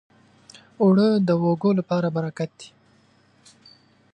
اوړه د وږو لپاره برکت دی